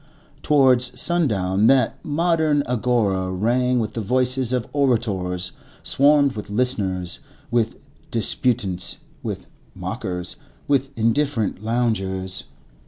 Towards sundown, that modern Agora rang with the voices of orators, swarmed with listeners, with disputants, with mockers, with indifferent loungers.